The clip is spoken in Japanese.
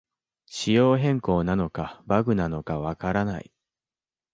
仕様変更なのかバグなのかわからない